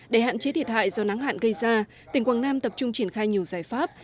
để hạn chế thiệt hại do nắng hạn gây ra tỉnh quảng nam tập trung triển khai nhiều giải pháp